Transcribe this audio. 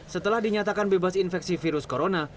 setelah dinyatakan bebas infeksi virus corona